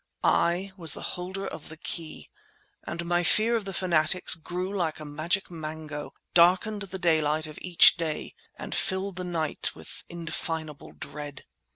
I was the holder of the key, and my fear of the fanatics grew like a magic mango, darkened the sunlight of each day, and filled the night with indefinable dread.